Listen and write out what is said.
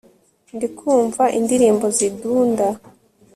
ndikumva indirimbo zidunda